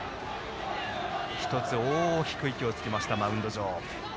１つ大きく息をつきましたマウンド上。